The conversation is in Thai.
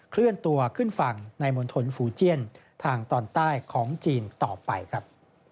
เคลื่อนตัวขึ้นฝั่งในมณฑลฟูเจียนทางตอนใต้ของจีนต่อไปครับ